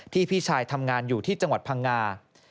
พี่ชายทำงานอยู่ที่จังหวัดพังงา